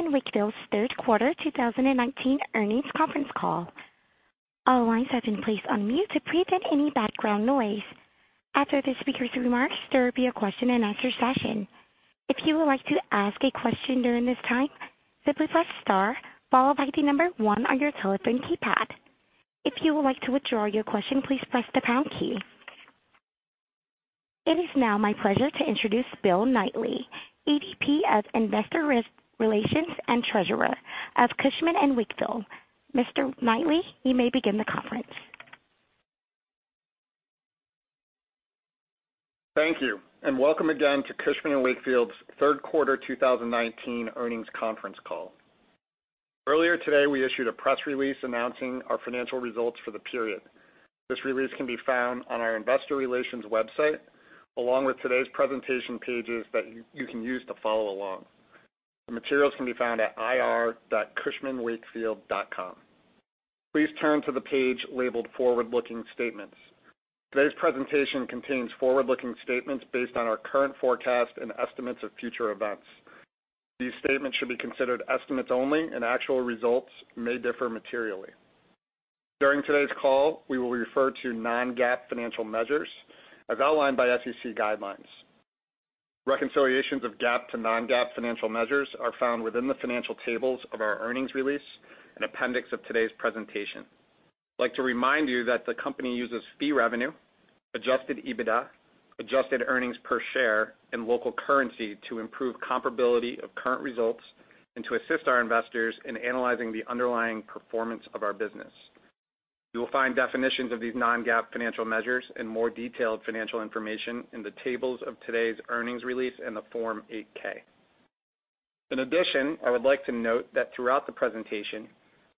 Cushman & Wakefield's third quarter 2019 earnings conference call. All lines have been placed on mute to prevent any background noise. After the speakers' remarks, there will be a question and answer session. If you would like to ask a question during this time, simply press star, followed by the number one on your telephone keypad. If you would like to withdraw your question, please press the pound key. It is now my pleasure to introduce Bill Knightly, EVP of Investor Relations and Treasurer of Cushman & Wakefield. Mr. Knightly, you may begin the conference. Thank you, and welcome again to Cushman & Wakefield's third quarter 2019 earnings conference call. Earlier today, we issued a press release announcing our financial results for the period. This release can be found on our investor relations website, along with today's presentation pages that you can use to follow along. The materials can be found at ir.cushmanwakefield.com. Please turn to the page labeled "Forward-Looking Statements." Today's presentation contains forward-looking statements based on our current forecast and estimates of future events. These statements should be considered estimates only, and actual results may differ materially. During today's call, we will refer to non-GAAP financial measures as outlined by SEC guidelines. Reconciliations of GAAP to non-GAAP financial measures are found within the financial tables of our earnings release and appendix of today's presentation. I'd like to remind you that the company uses fee revenue, adjusted EBITDA, adjusted earnings per share, and local currency to improve comparability of current results and to assist our investors in analyzing the underlying performance of our business. You will find definitions of these non-GAAP financial measures and more detailed financial information in the tables of today's earnings release in the Form 8-K. I would like to note that throughout the presentation,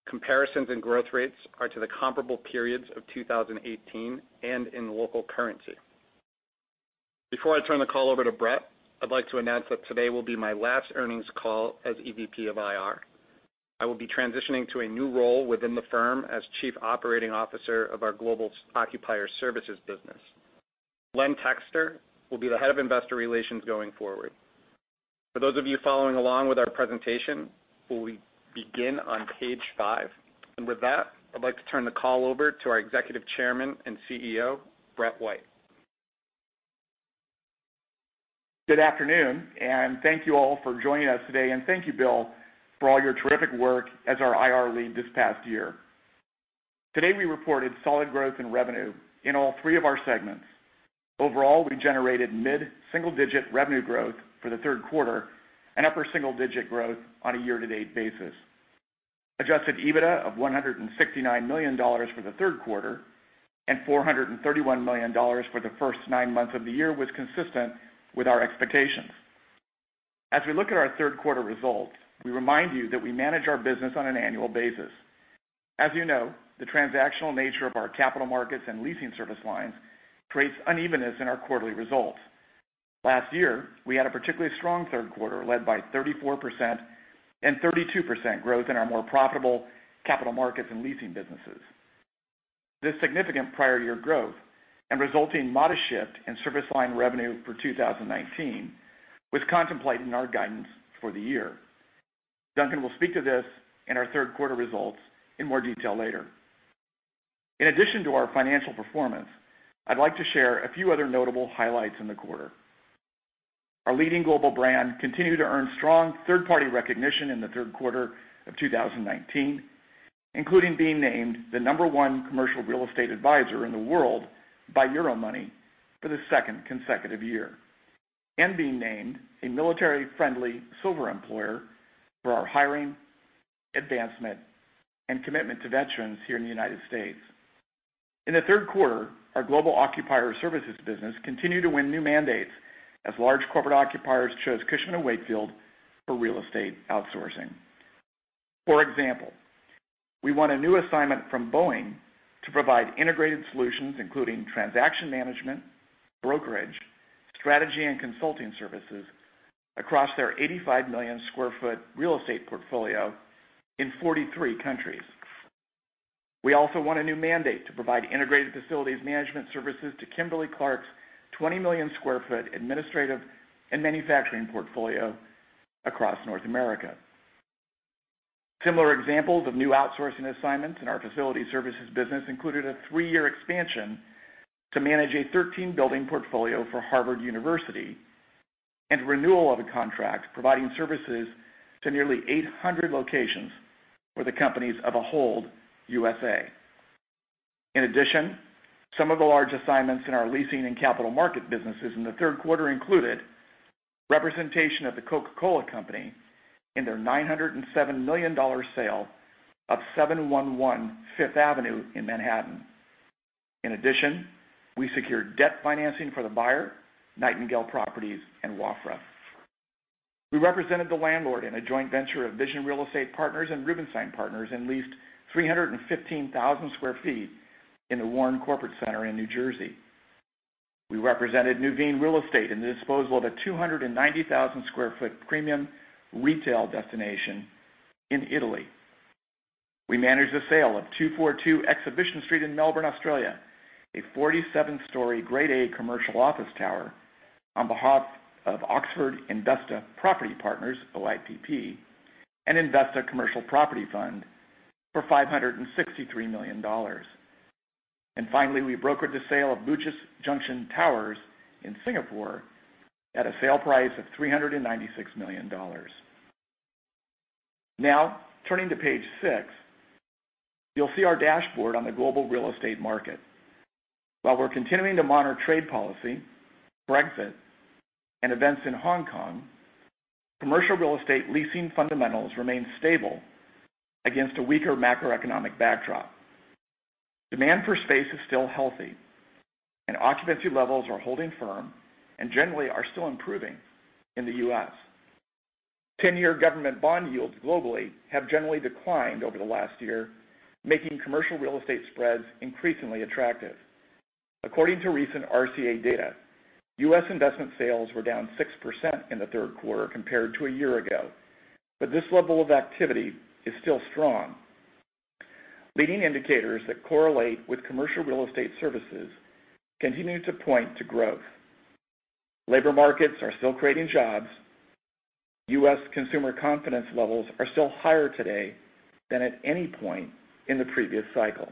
comparisons and growth rates are to the comparable periods of 2018 and in local currency. Before I turn the call over to Brett, I'd like to announce that today will be my last earnings call as EVP of IR. I will be transitioning to a new role within the firm as Chief Operating Officer of our Global Occupier Services business. Len Texter will be the Head of Investor Relations going forward. For those of you following along with our presentation, we will begin on page five. With that, I'd like to turn the call over to our Executive Chairman and CEO, Brett White. Good afternoon. Thank you all for joining us today. Thank you, Bill, for all your terrific work as our IR lead this past year. Today, we reported solid growth in revenue in all three of our segments. Overall, we generated mid-single-digit revenue growth for the third quarter and upper single-digit growth on a year-to-date basis. Adjusted EBITDA of $169 million for the third quarter and $431 million for the first nine months of the year was consistent with our expectations. As we look at our third quarter results, we remind you that we manage our business on an annual basis. As you know, the transactional nature of our capital markets and leasing service lines creates unevenness in our quarterly results. Last year, we had a particularly strong third quarter led by 34% and 32% growth in our more profitable capital markets and leasing businesses. This significant prior year growth and resulting modest shift in service line revenue for 2019 was contemplated in our guidance for the year. Duncan will speak to this and our third quarter results in more detail later. In addition to our financial performance, I'd like to share a few other notable highlights in the quarter. Our leading global brand continued to earn strong third-party recognition in the third quarter of 2019, including being named the number one commercial real estate advisor in the world by Euromoney for the second consecutive year and being named a military-friendly silver employer for our hiring, advancement, and commitment to veterans here in the United States. In the third quarter, our Global Occupier Services business continued to win new mandates as large corporate occupiers chose Cushman & Wakefield for real estate outsourcing. For example, we won a new assignment from Boeing to provide integrated solutions, including transaction management, brokerage, strategy, and consulting services across their 85 million sq ft real estate portfolio in 43 countries. We also won a new mandate to provide integrated facility services to Kimberly-Clark's 20 million sq ft administrative and manufacturing portfolio across North America. Similar examples of new outsourcing assignments in our facility services business included a three-year expansion to manage a 13-building portfolio for Harvard University and renewal of a contract providing services to nearly 800 locations for the companies of Ahold USA. Some of the large assignments in our leasing and capital market businesses in the third quarter included representation of The Coca-Cola Company in their $907 million sale of 711 Fifth Avenue in Manhattan. In addition, we secured debt financing for the buyer, Nightingale Properties and Wafra. We represented the landlord in a joint venture of Vision Real Estate Partners and Rubenstein Partners and leased 315,000 sq ft in the Warren Corporate Center in New Jersey. We represented Nuveen Real Estate in the disposal of a 290,000 sq ft premium retail destination in Italy. We managed the sale of 242 Exhibition Street in Melbourne, Australia, a 47-story grade A commercial office tower on behalf of Oxford Investa Property Partners, OIPP, and Investa Commercial Property Fund for $563 million. Finally, we brokered the sale of Bugis Junction Towers in Singapore at a sale price of $396 million. Now, turning to page six, you'll see our dashboard on the global real estate market. While we're continuing to monitor trade policy, Brexit, and events in Hong Kong, commercial real estate leasing fundamentals remain stable against a weaker macroeconomic backdrop. Demand for space is still healthy, and occupancy levels are holding firm and generally are still improving in the U.S. 10-year government bond yields globally have generally declined over the last year, making commercial real estate spreads increasingly attractive. According to recent RCA data, U.S. investment sales were down 6% in the third quarter compared to a year ago, but this level of activity is still strong. Leading indicators that correlate with commercial real estate services continue to point to growth. Labor markets are still creating jobs. U.S. consumer confidence levels are still higher today than at any point in the previous cycle.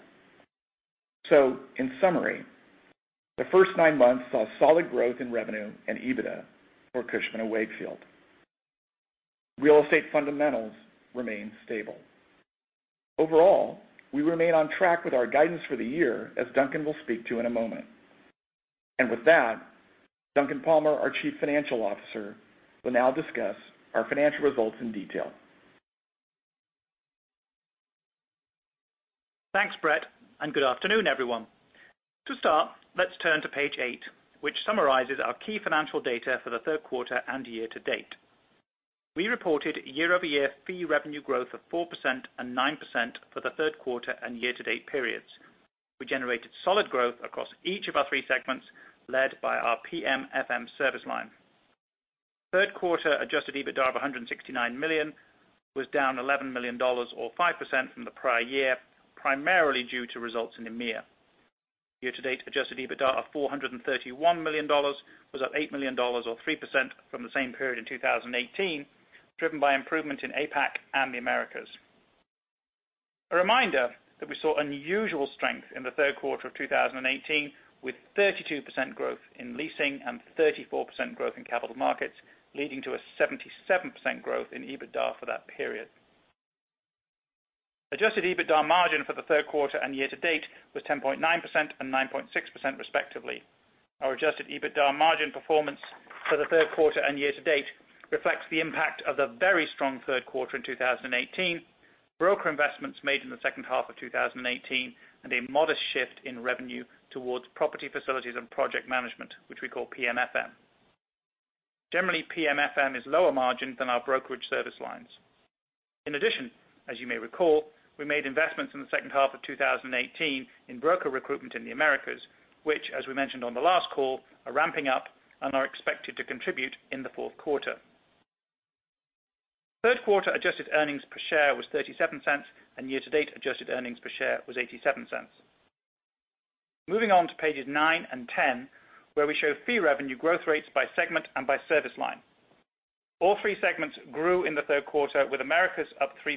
In summary, the first nine months saw solid growth in revenue and EBITDA for Cushman & Wakefield. Real estate fundamentals remain stable. Overall, we remain on track with our guidance for the year, as Duncan will speak to in a moment. With that, Duncan Palmer, our Chief Financial Officer, will now discuss our financial results in detail. Thanks, Brett, and good afternoon, everyone. To start, let's turn to page eight, which summarizes our key financial data for the third quarter and year to date. We reported year-over-year fee revenue growth of 4% and 9% for the third quarter and year to date periods. We generated solid growth across each of our three segments, led by our PMFM service line. Third quarter adjusted EBITDA of $169 million was down $11 million, or 5%, from the prior year, primarily due to results in EMEA. Year to date adjusted EBITDA of $431 million was up $8 million, or 3%, from the same period in 2018, driven by improvement in APAC and the Americas. A reminder that we saw unusual strength in the third quarter of 2018, with 32% growth in leasing and 34% growth in capital markets, leading to a 77% growth in EBITDA for that period. Adjusted EBITDA margin for the third quarter and year to date was 10.9% and 9.6% respectively. Our adjusted EBITDA margin performance for the third quarter and year to date reflects the impact of the very strong third quarter in 2018, broker investments made in the second half of 2018, and a modest shift in revenue towards property facilities and project management, which we call PMFM. Generally, PMFM is lower margin than our brokerage service lines. In addition, as you may recall, we made investments in the second half of 2018 in broker recruitment in the Americas, which, as we mentioned on the last call, are ramping up and are expected to contribute in the fourth quarter. Third quarter adjusted earnings per share was $0.37, and year to date adjusted earnings per share was $0.87. Moving on to pages nine and 10, where we show fee revenue growth rates by segment and by service line. All three segments grew in the third quarter, with Americas up 3%,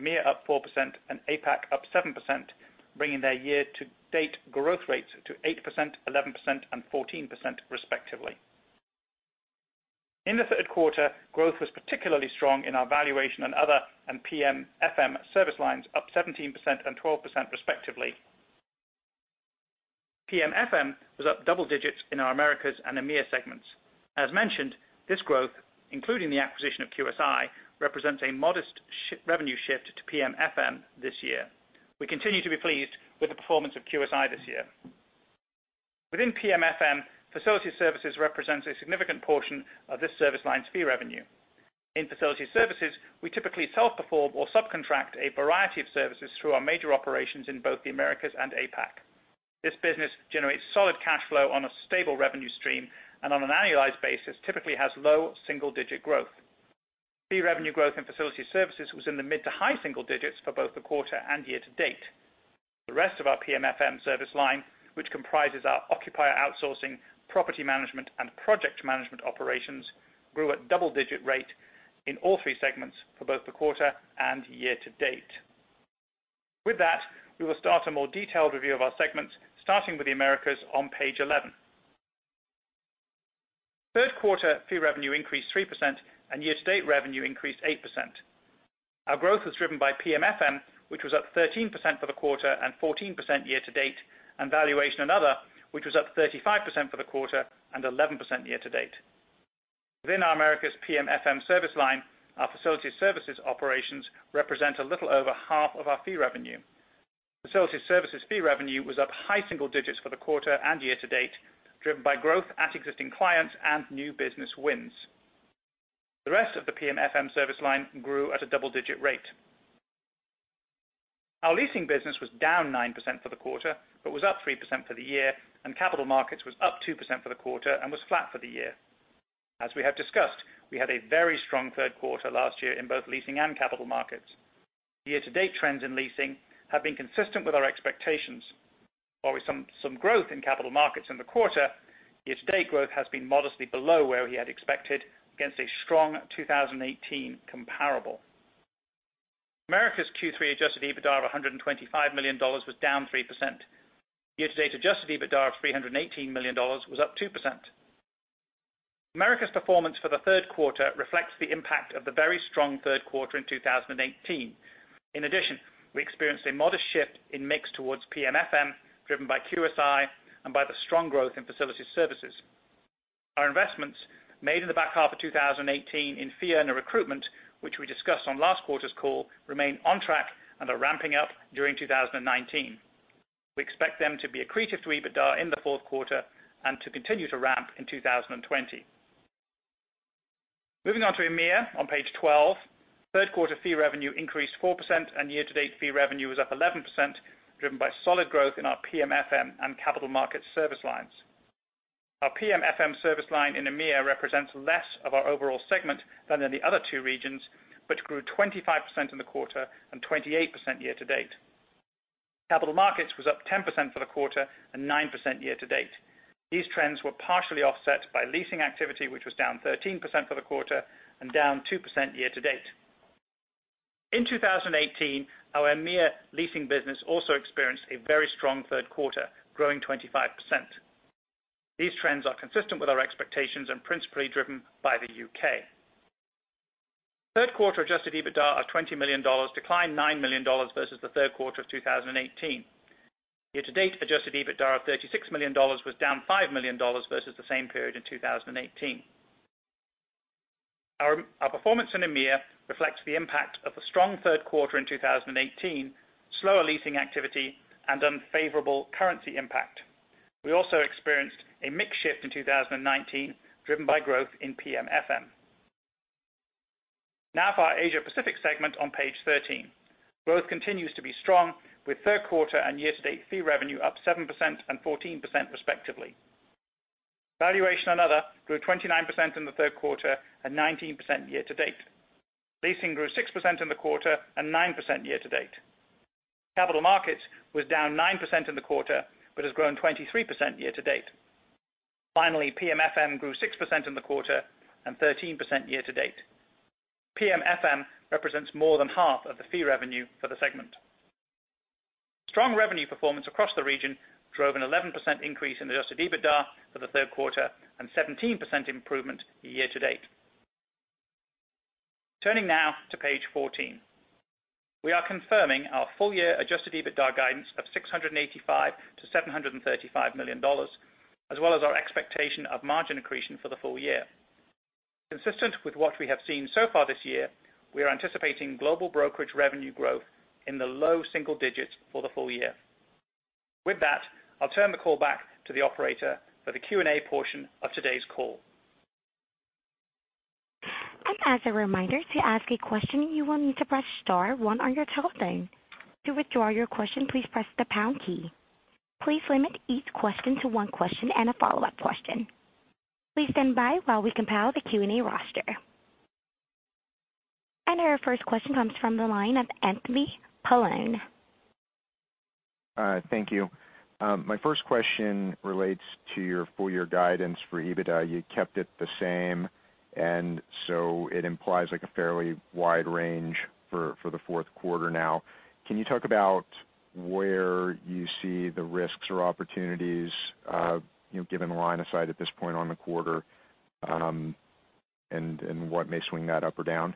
EMEA up 4%, and APAC up 7%, bringing their year to date growth rates to 8%, 11%, and 14% respectively. In the third quarter, growth was particularly strong in our valuation and other and PMFM service lines, up 17% and 12% respectively. PMFM was up double digits in our Americas and EMEA segments. As mentioned, this growth, including the acquisition of QSI, represents a modest revenue shift to PMFM this year. We continue to be pleased with the performance of QSI this year. Within PMFM, facility services represents a significant portion of this service line's fee revenue. In facility services, we typically self-perform or subcontract a variety of services through our major operations in both the Americas and APAC. This business generates solid cash flow on a stable revenue stream and on an annualized basis, typically has low single-digit growth. Fee revenue growth in facility services was in the mid to high single digits for both the quarter and year to date. The rest of our PMFM service line, which comprises our occupier outsourcing, property management, and project management operations, grew at double-digit rate in all three segments for both the quarter and year to date. With that, we will start a more detailed review of our segments, starting with the Americas on page 11. Third quarter fee revenue increased 3%, and year to date revenue increased 8%. Our growth was driven by PMFM, which was up 13% for the quarter and 14% year-to-date, and valuation and other, which was up 35% for the quarter and 11% year-to-date. Within our Americas PMFM service line, our facility services operations represent a little over half of our fee revenue. facility services fee revenue was up high single digits for the quarter and year-to-date, driven by growth at existing clients and new business wins. The rest of the PMFM service line grew at a double-digit rate. Our leasing business was down 9% for the quarter, but was up 3% for the year, and capital markets was up 2% for the quarter and was flat for the year. As we have discussed, we had a very strong third quarter last year in both leasing and capital markets. Year-to-date trends in leasing have been consistent with our expectations. While with some growth in capital markets in the quarter, year-to-date growth has been modestly below where we had expected against a strong 2018 comparable. Americas Q3 adjusted EBITDA of $125 million was down 3%. Year-to-date adjusted EBITDA of $318 million was up 2%. Americas performance for the third quarter reflects the impact of the very strong third quarter in 2018. In addition, we experienced a modest shift in mix towards PMFM, driven by QSI and by the strong growth in facility services. Our investments made in the back half of 2018 in fee and recruitment, which we discussed on last quarter's call, remain on track and are ramping up during 2019. We expect them to be accretive to EBITDA in the fourth quarter and to continue to ramp in 2020. Moving on to EMEA on page 12. Third quarter fee revenue increased 4%, and year-to-date fee revenue was up 11%, driven by solid growth in our PMFM and capital markets service lines. Our PMFM service line in EMEA represents less of our overall segment than in the other two regions, but grew 25% in the quarter and 28% year-to-date. Capital markets was up 10% for the quarter and 9% year-to-date. These trends were partially offset by leasing activity, which was down 13% for the quarter and down 2% year-to-date. In 2018, our EMEA leasing business also experienced a very strong third quarter, growing 25%. These trends are consistent with our expectations and principally driven by the U.K. Third quarter adjusted EBITDA of $20 million declined $9 million versus the third quarter of 2018. Year-to-date adjusted EBITDA of $36 million was down $5 million versus the same period in 2018. Our performance in EMEA reflects the impact of a strong third quarter in 2018, slower leasing activity, and unfavorable currency impact. We also experienced a mix shift in 2019 driven by growth in PMFM. Now for our Asia Pacific segment on page 13. Growth continues to be strong with third quarter and year-to-date fee revenue up 7% and 14% respectively. Valuation and other grew 29% in the third quarter and 19% year-to-date. Leasing grew 6% in the quarter and 9% year-to-date. Capital markets was down 9% in the quarter, but has grown 23% year-to-date. Finally, PMFM grew 6% in the quarter and 13% year-to-date. PMFM represents more than half of the fee revenue for the segment. Strong revenue performance across the region drove an 11% increase in adjusted EBITDA for the third quarter and 17% improvement year-to-date. Turning now to page 14. We are confirming our full-year adjusted EBITDA guidance of $685 million-$735 million, as well as our expectation of margin accretion for the full year. Consistent with what we have seen so far this year, we are anticipating global brokerage revenue growth in the low single digits for the full year. With that, I'll turn the call back to the operator for the Q&A portion of today's call. As a reminder, to ask a question, you will need to press star one on your telephone. To withdraw your question, please press the pound key. Please limit each question to one question and a follow-up question. Please stand by while we compile the Q&A roster. Our first question comes from the line of Anthony Paolone. Thank you. My first question relates to your full-year guidance for EBITDA. You kept it the same, it implies a fairly wide range for the fourth quarter now. Can you talk about where you see the risks or opportunities given line of sight at this point on the quarter, and what may swing that up or down?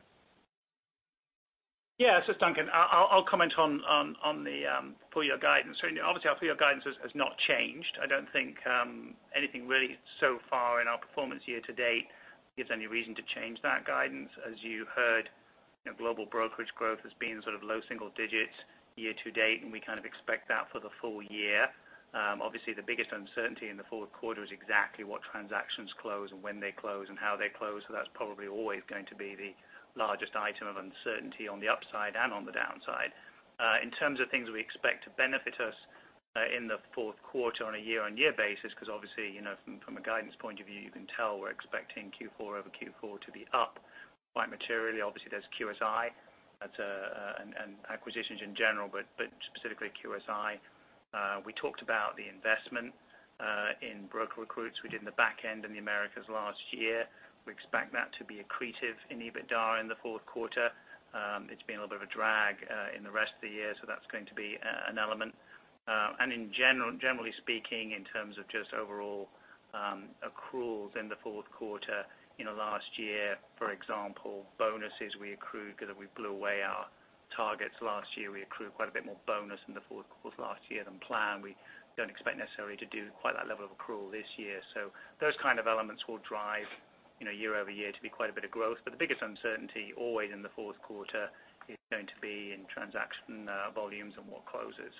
It's Duncan. I'll comment on the full-year guidance. Obviously our full-year guidance has not changed. I don't think anything really so far in our performance year-to-date gives any reason to change that guidance. As you heard, global brokerage growth has been low single digits year-to-date, and we kind of expect that for the full year. Obviously, the biggest uncertainty in the fourth quarter is exactly what transactions close and when they close and how they close. That's probably always going to be the largest item of uncertainty on the upside and on the downside. In terms of things we expect to benefit us in the fourth quarter on a year-on-year basis, because obviously, from a guidance point of view, you can tell we're expecting Q4 over Q4 to be up quite materially. Obviously, there's QSI and acquisitions in general, but specifically QSI. We talked about the investment in broker recruits we did in the back end in the Americas last year. We expect that to be accretive in EBITDA in the fourth quarter. That's going to be an element. Generally speaking, in terms of just overall accruals in the fourth quarter last year, for example, bonuses we accrued because we blew away our targets last year. We accrued quite a bit more bonus in the fourth quarter last year than planned. We don't expect necessarily to do quite that level of accrual this year. Those kind of elements will drive year-over-year to be quite a bit of growth. The biggest uncertainty always in the fourth quarter is going to be in transaction volumes and what closes.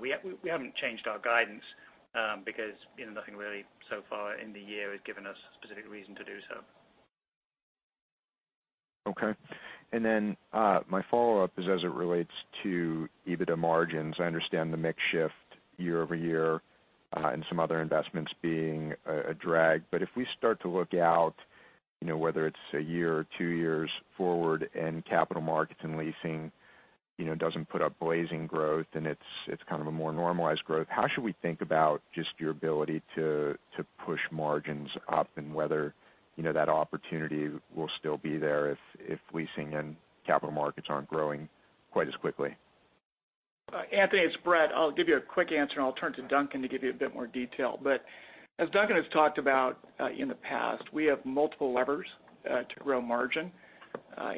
We haven't changed our guidance because nothing really so far in the year has given us specific reason to do so. Okay. My follow-up is as it relates to EBITDA margins. I understand the mix shift year-over-year and some other investments being a drag. But if we start to look out, whether it's a year or two years forward and capital markets and leasing doesn't put up blazing growth and it's a more normalized growth, how should we think about just your ability to push margins up and whether that opportunity will still be there if leasing and capital markets aren't growing quite as quickly? Anthony, it's Brett. I'll give you a quick answer, and I'll turn to Duncan to give you a bit more detail. As Duncan has talked about in the past, we have multiple levers to grow margin.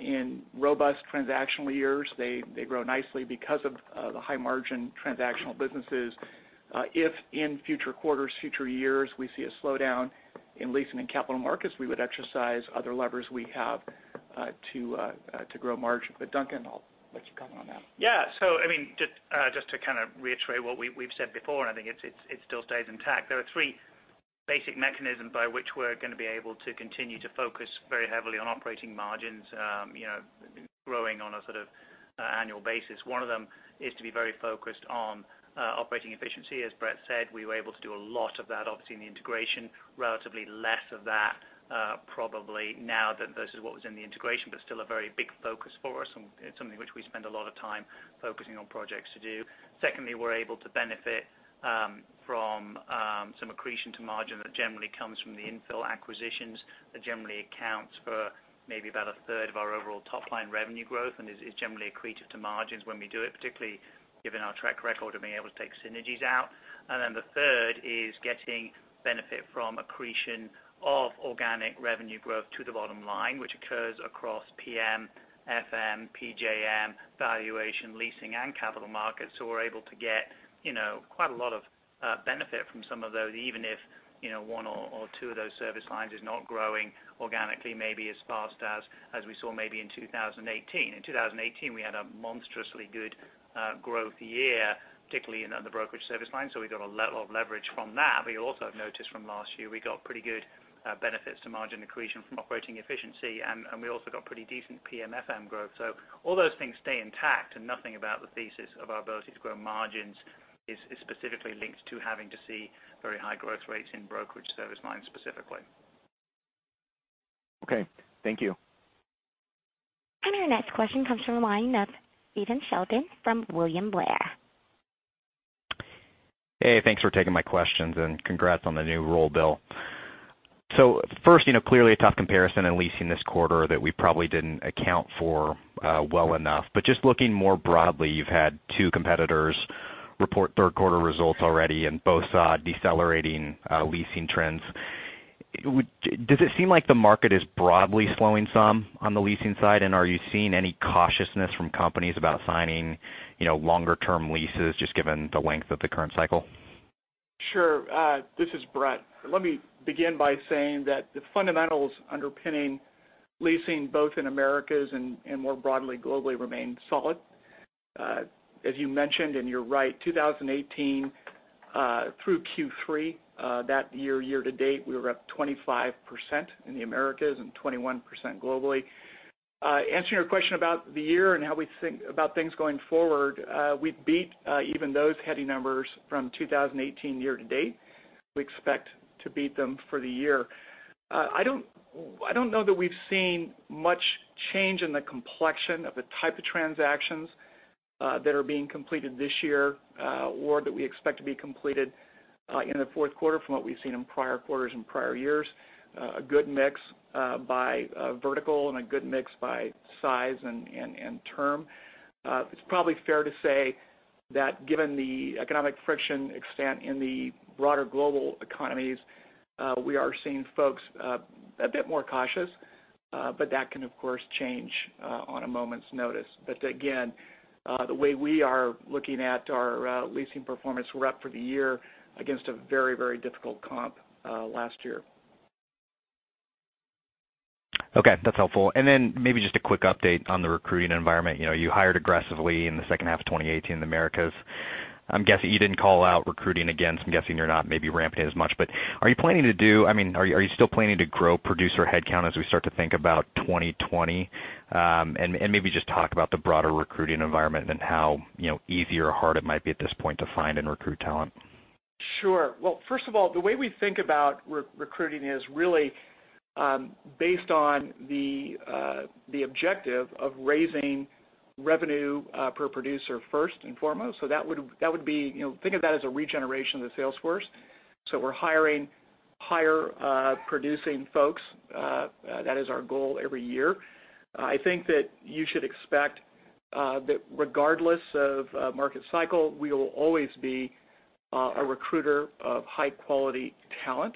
In robust transactional years, they grow nicely because of the high margin transactional businesses. If in future quarters, future years, we see a slowdown in leasing and capital markets, we would exercise other levers we have to grow margin. Duncan, I'll let you comment on that. Yeah. Just to reiterate what we've said before, and I think it still stays intact. There are three basic mechanisms by which we're going to be able to continue to focus very heavily on operating margins growing on a sort of annual basis. One of them is to be very focused on operating efficiency. As Brett said, we were able to do a lot of that, obviously, in the integration, relatively less of that probably now versus what was in the integration, but still a very big focus for us and something which we spend a lot of time focusing on projects to do. We're able to benefit from some accretion to margin that generally comes from the infill acquisitions that generally accounts for maybe about a third of our overall top-line revenue growth and is generally accretive to margins when we do it, particularly given our track record of being able to take synergies out. The third is getting benefit from accretion of organic revenue growth to the bottom line, which occurs across PM, FM, PJM, valuation, leasing, and capital markets. We're able to get quite a lot of benefit from some of those, even if one or two of those service lines is not growing organically maybe as fast as we saw maybe in 2018. In 2018, we had a monstrously good growth year, particularly in the brokerage service line. We got a lot of leverage from that. You'll also have noticed from last year, we got pretty good benefits to margin accretion from operating efficiency, and we also got pretty decent PMFM growth. All those things stay intact, and nothing about the thesis of our ability to grow margins is specifically linked to having to see very high growth rates in brokerage service lines specifically. Okay. Thank you. Our next question comes from the line of Stephen Sheldon from William Blair. Hey, thanks for taking my questions and congrats on the new role, Bill. First, clearly a tough comparison in leasing this quarter that we probably didn't account for well enough. Just looking more broadly, you've had two competitors report third quarter results already and both saw decelerating leasing trends. Does it seem like the market is broadly slowing some on the leasing side? Are you seeing any cautiousness from companies about signing longer term leases, just given the length of the current cycle? Sure. This is Brett. Let me begin by saying that the fundamentals underpinning leasing, both in Americas and more broadly globally, remain solid. As you mentioned, and you're right, 2018 through Q3 that year-to-date, we were up 25% in the Americas and 21% globally. Answering your question about the year and how we think about things going forward, we beat even those heady numbers from 2018 year-to-date. We expect to beat them for the year. I don't know that we've seen much change in the complexion of the type of transactions that are being completed this year or that we expect to be completed in the fourth quarter from what we've seen in prior quarters and prior years. A good mix by vertical and a good mix by size and term. It's probably fair to say that given the economic friction extent in the broader global economies, we are seeing folks a bit more cautious. That can, of course, change on a moment's notice. Again, the way we are looking at our leasing performance, we're up for the year against a very difficult comp last year. Okay. That's helpful. Maybe just a quick update on the recruiting environment. You hired aggressively in the second half of 2018 in the Americas. You didn't call out recruiting again, I'm guessing you're not maybe ramping as much. Are you still planning to grow producer headcount as we start to think about 2020? Maybe just talk about the broader recruiting environment and how easy or hard it might be at this point to find and recruit talent. Sure. Well, first of all, the way we think about recruiting is really based on the objective of raising revenue per producer first and foremost. Think of that as a regeneration of the sales force. We're hiring higher producing folks. That is our goal every year. I think that you should expect that regardless of market cycle, we will always be a recruiter of high quality talent.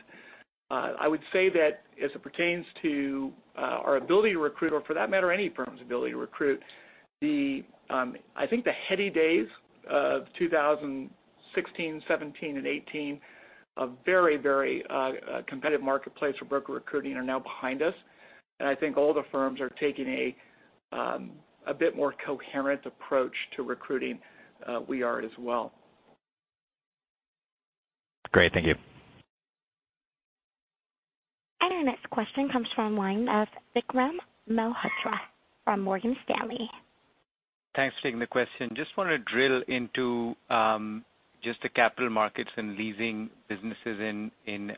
I would say that as it pertains to our ability to recruit, or for that matter, any firm's ability to recruit, I think the heady days of 2016, 2017, and 2018, a very competitive marketplace for broker recruiting are now behind us. I think all the firms are taking a bit more coherent approach to recruiting. We are as well. Great. Thank you. Our next question comes from the line of Vikram Malhotra from Morgan Stanley. Thanks for taking the question. Just want to drill into just the capital markets and leasing businesses in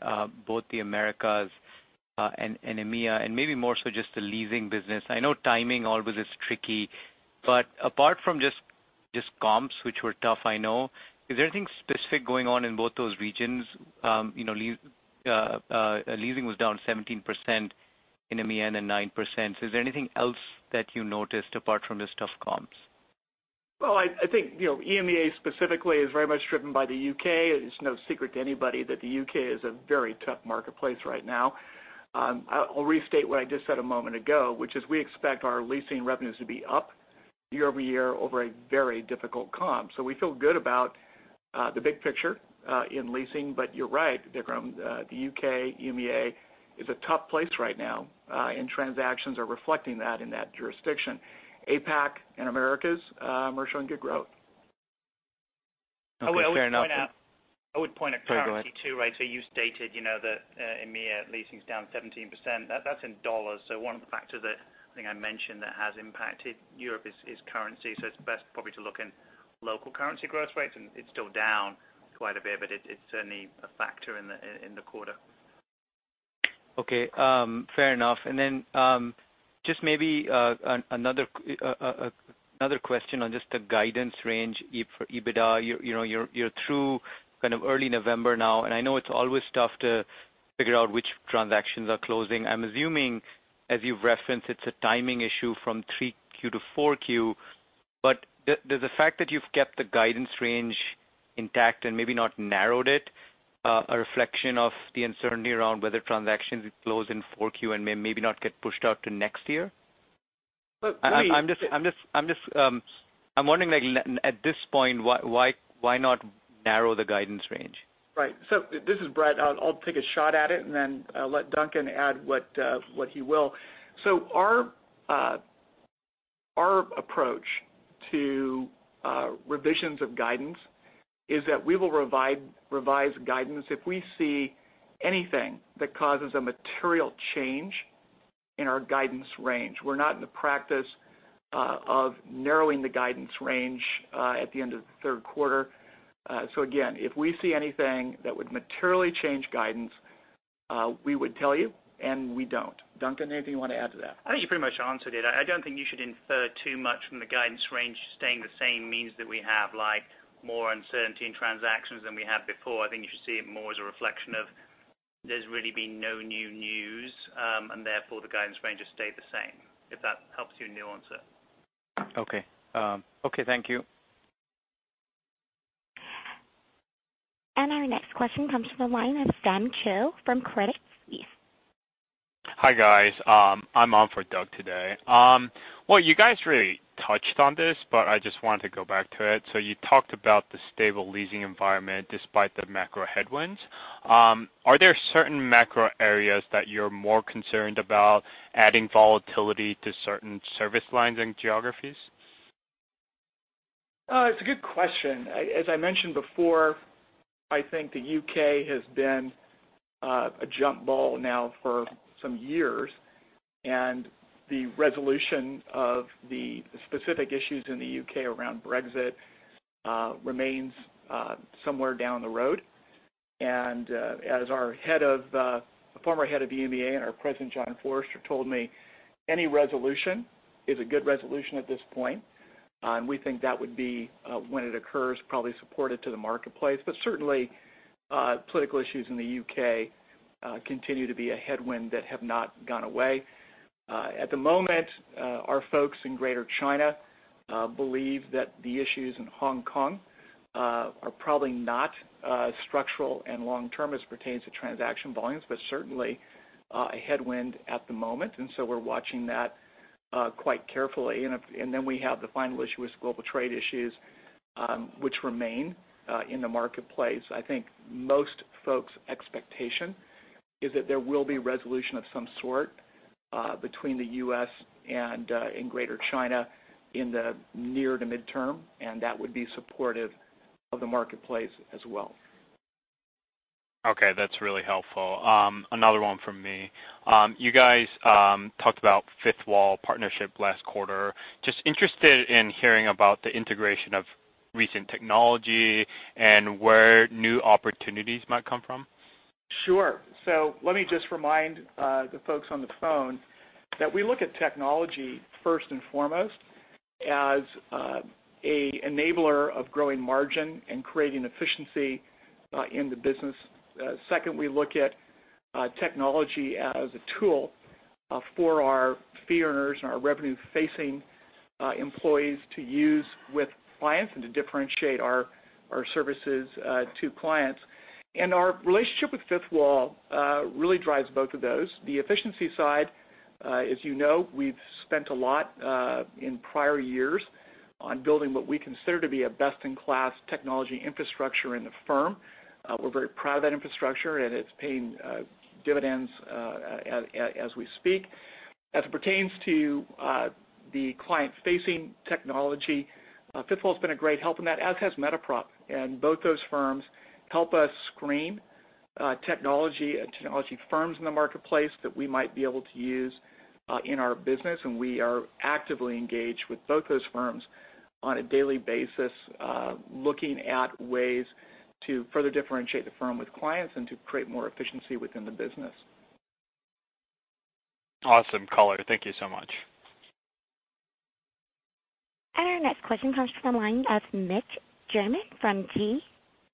both the Americas and EMEA, and maybe more so just the leasing business. I know timing always is tricky, but apart from just comps, which were tough, I know, is there anything specific going on in both those regions? Leasing was down 17% in EMEA and 9%. Is there anything else that you noticed apart from just tough comps? I think EMEA specifically is very much driven by the U.K. It's no secret to anybody that the U.K. is a very tough marketplace right now. I'll restate what I just said a moment ago, which is we expect our leasing revenues to be up year-over-year over a very difficult comp. We feel good about the big picture in leasing, but you're right, Vikram, the U.K., EMEA, is a tough place right now, and transactions are reflecting that in that jurisdiction. APAC and Americas are showing good growth. Okay, fair enough. I would point out. Sorry, go ahead. currency too, right. You stated that EMEA leasing's down 17%. That's in dollars. One of the factors that I think I mentioned that has impacted Europe is currency. It's best probably to look in local currency growth rates, and it's still down quite a bit, but it's certainly a factor in the quarter. Okay. Fair enough. Then just maybe another question on just the guidance range for EBITDA. You're through kind of early November now, and I know it's always tough to figure out which transactions are closing. I'm assuming, as you've referenced, it's a timing issue from 3Q to 4Q, but does the fact that you've kept the guidance range intact and may not narrowed it a reflection of the uncertainty around whether transactions close in 4Q and may not get pushed out to next year? But we- I'm just wondering, like at this point, why not narrow the guidance range? Right. This is Brett. I'll take a shot at it. I'll let Duncan add what he will. Our approach to revisions of guidance is that we will revise guidance if we see anything that causes a material change in our guidance range. We're not in the practice of narrowing the guidance range at the end of the third quarter. Again, if we see anything that would materially change guidance, we would tell you, and we don't. Duncan, anything you want to add to that? I think you pretty much answered it. I don't think you should infer too much from the guidance range staying the same means that we have more uncertainty in transactions than we had before. I think you should see it more as a reflection of there's really been no new news, and therefore, the guidance range has stayed the same. If that helps you nuance it. Okay. Thank you. Our next question comes from the line of Sam Choe from Credit Suisse. Hi, guys. I'm on for Doug today. You guys really touched on this, but I just wanted to go back to it. You talked about the stable leasing environment despite the macro headwinds. Are there certain macro areas that you're more concerned about adding volatility to certain service lines and geographies? It's a good question. As I mentioned before, I think the U.K. has been a jump ball now for some years. The resolution of the specific issues in the U.K. around Brexit remains somewhere down the road. As our former head of EMEA and our President, John Forrester, told me, any resolution is a good resolution at this point. We think that would be, when it occurs, probably supportive to the marketplace. Certainly, political issues in the U.K. continue to be a headwind that have not gone away. At the moment, our folks in Greater China believe that the issues in Hong Kong are probably not structural and long-term as it pertains to transaction volumes, but certainly a headwind at the moment. We're watching that quite carefully. We have the final issue with global trade issues, which remain in the marketplace. I think most folks' expectation is that there will be resolution of some sort between the U.S. and Greater China in the near to midterm, and that would be supportive of the marketplace as well. Okay. That's really helpful. Another one from me. You guys talked about Fifth Wall partnership last quarter. Interested in hearing about the integration of recent technology and where new opportunities might come from. Sure. Let me just remind the folks on the phone that we look at technology first and foremost as an enabler of growing margin and creating efficiency in the business. Second, we look at technology as a tool for our fee earners and our revenue-facing employees to use with clients and to differentiate our services to clients. Our relationship with Fifth Wall really drives both of those. The efficiency side, as you know, we've spent a lot in prior years on building what we consider to be a best-in-class technology infrastructure in the firm. We're very proud of that infrastructure, and it's paying dividends as we speak. As it pertains to the client-facing technology, Fifth Wall has been a great help in that, as has MetaProp. Both those firms help us screen technology and technology firms in the marketplace that we might be able to use in our business. We are actively engaged with both those firms on a daily basis, looking at ways to further differentiate the firm with clients and to create more efficiency within the business. Awesome color. Thank you so much. Our next question comes from the line of Mitch Germain from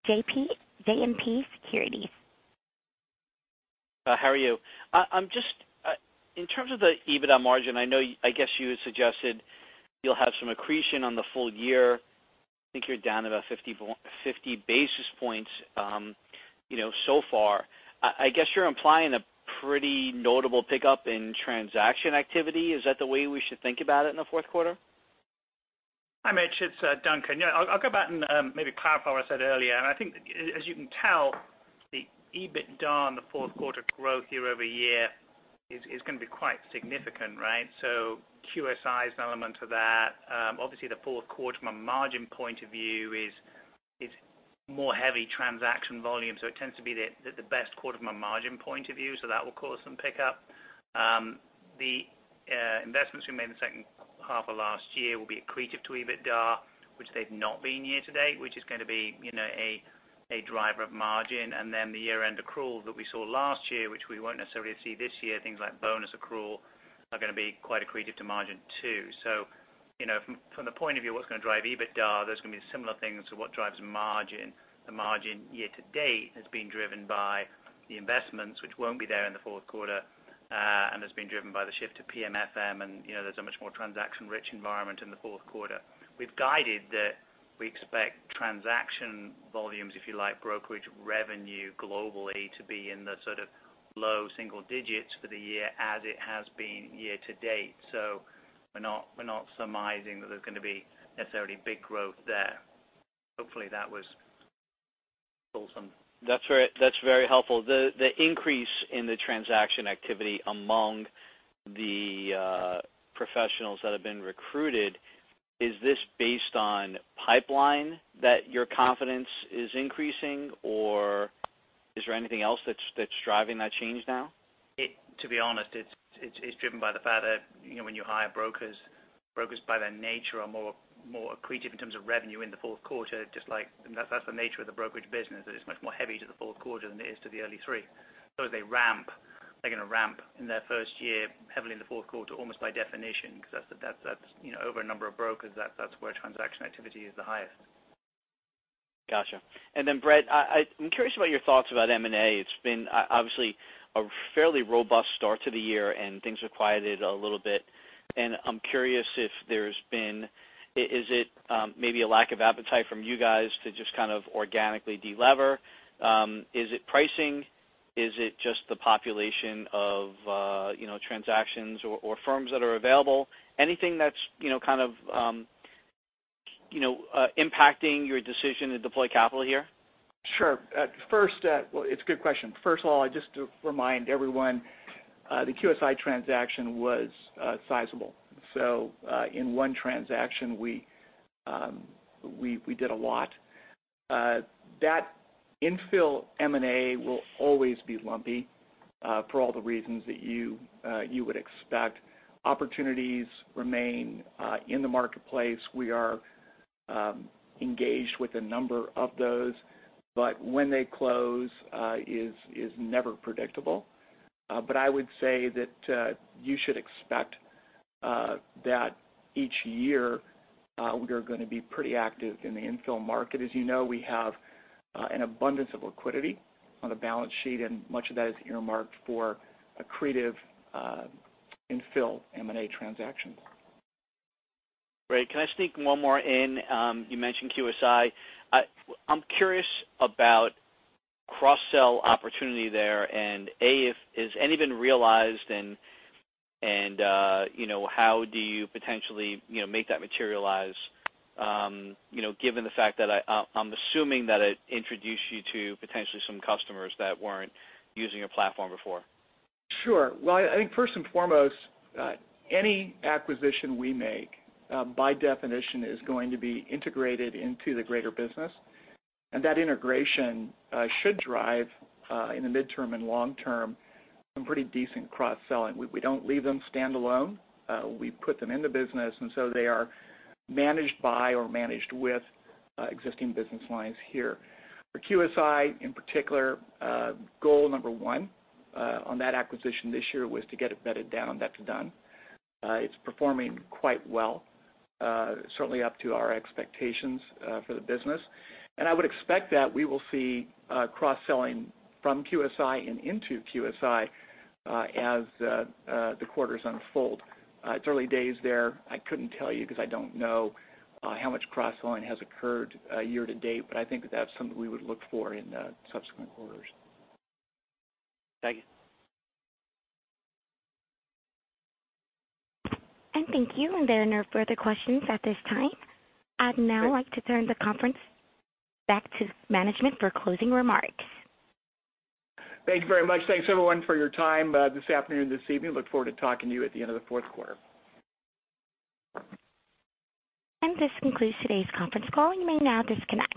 JMP Securities. How are you? In terms of the EBITDA margin, I guess you had suggested you will have some accretion on the full year. I think you are down about 50 basis points so far. I guess you are implying a pretty notable pickup in transaction activity. Is that the way we should think about it in the fourth quarter? Hi, Mitch. It's Duncan. I'll go back and maybe clarify what I said earlier. I think as you can tell, the EBITDA on the fourth quarter growth year-over-year is going to be quite significant, right? QSI is an element of that. Obviously, the fourth quarter from a margin point of view is more heavy transaction volume, it tends to be the best quarter from a margin point of view. That will cause some pickup. The investments we made in the second half of last year will be accretive to EBITDA, which they've not been year-to-date, which is going to be a driver of margin. The year-end accrual that we saw last year, which we won't necessarily see this year, things like bonus accrual, are going to be quite accretive to margin too. From the point of view of what's going to drive EBITDA, there's going to be similar things to what drives margin. The margin year to date has been driven by the investments which won't be there in the fourth quarter, and has been driven by the shift to PMFM, and there's a much more transaction-rich environment in the fourth quarter. We've guided that we expect transaction volumes, if you like, brokerage revenue globally to be in the sort of low single digits for the year as it has been year to date. We're not surmising that there's going to be necessarily big growth there. Hopefully that was wholesome. That's very helpful. The increase in the transaction activity among the professionals that have been recruited, is this based on pipeline that your confidence is increasing, or is there anything else that's driving that change now? To be honest, it's driven by the fact that when you hire brokers by their nature are more accretive in terms of revenue in the fourth quarter, just like that's the nature of the brokerage business. It is much more heavy to the fourth quarter than it is to the early three. As they ramp, they're going to ramp in their first year heavily in the fourth quarter, almost by definition. Over a number of brokers, that's where transaction activity is the highest. Got you. Then Brett, I'm curious about your thoughts about M&A. It's been obviously a fairly robust start to the year, and things have quieted a little bit. I'm curious if there's been Is it maybe a lack of appetite from you guys to just kind of organically de-lever? Is it pricing? Is it just the population of transactions or firms that are available? Anything that's kind of impacting your decision to deploy capital here? Sure. It's a good question. First of all, just to remind everyone, the QSI transaction was sizable. In one transaction, we did a lot. That infill M&A will always be lumpy for all the reasons that you would expect. Opportunities remain in the marketplace. We are engaged with a number of those, but when they close is never predictable. I would say that you should expect that each year, we are going to be pretty active in the infill market. You know, we have an abundance of liquidity on the balance sheet, and much of that is earmarked for accretive infill M&A transactions. Great. Can I sneak one more in? You mentioned QSI. I'm curious about cross-sell opportunity there and A, if any been realized and how do you potentially make that materialize given the fact that I'm assuming that it introduced you to potentially some customers that weren't using your platform before. Sure. Well, I think first and foremost, any acquisition we make, by definition, is going to be integrated into the greater business. That integration should drive, in the midterm and long term, some pretty decent cross-selling. We don't leave them standalone. We put them in the business, and so they are managed by or managed with existing business lines here. For QSI in particular, goal number one on that acquisition this year was to get it bedded down. That's done. It's performing quite well, certainly up to our expectations for the business. I would expect that we will see cross-selling from QSI and into QSI as the quarters unfold. It's early days there. I couldn't tell you because I don't know how much cross-selling has occurred year to date, but I think that that's something we would look for in subsequent quarters. Thank you. Thank you. There are no further questions at this time. I'd now like to turn the conference back to management for closing remarks. Thank you very much. Thanks, everyone for your time this afternoon, this evening. Look forward to talking to you at the end of the fourth quarter. This concludes today's conference call. You may now disconnect.